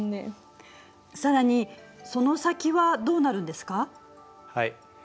更にその先はどうなるんですか？